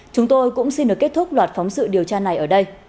chúng tôi cũng xin được kết thúc loạt phóng sự điều tra này ở đây